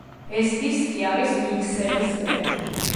ეს დისკი არის მიქსების კრებული.